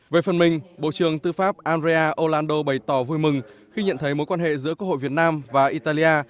về phần mình bộ trưởng tư pháp andrea olandu bày tỏ vui mừng khi nhận thấy mối quan hệ giữa quốc hội việt nam và italia